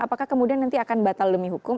apakah kemudian nanti akan batal demi hukum